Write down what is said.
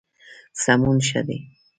سمون ښه دی.